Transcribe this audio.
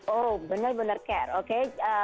oh benar benar care